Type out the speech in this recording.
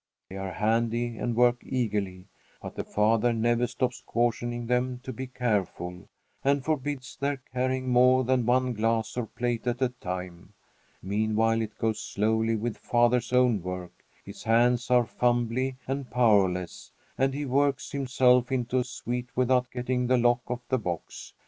They are handy and work eagerly, but the father never stops cautioning them to be careful, and forbids their carrying more than one glass or plate at a time. Meanwhile it goes slowly with father's own work. His hands are fumbly and powerless, and he works himself into a sweat without getting the lock off the box.